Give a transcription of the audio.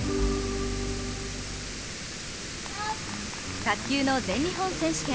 卓球の全日本選手権。